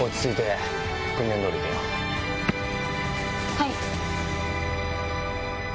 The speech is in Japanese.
はい。